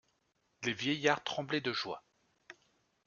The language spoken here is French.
Les vieillards tremblaient de joie.